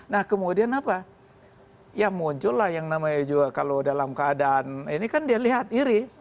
nah kemudian apa ya muncullah yang namanya juga kalau dalam keadaan ini kan dia lihat iri